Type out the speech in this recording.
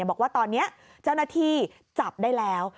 บอกว่าตอนนี้เจ้าหน้าที่จับได้แล้ว